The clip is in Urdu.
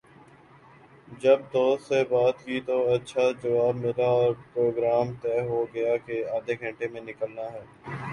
جب دوستوں سے بات کی تو اچھا جواب ملا اور پروگرام طے ہو گیا کہ آدھےگھنٹے میں نکلنا ہے ۔